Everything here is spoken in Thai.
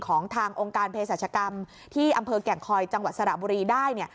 ของทางองค์การเพศรัชกรรมที่อำเภอแก่งคอยจังหวัดสระบุรีได้